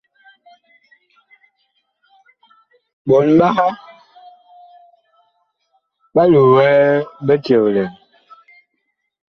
Ɓɔɔn ɓaha ɓa loɛ biceglɛɛ.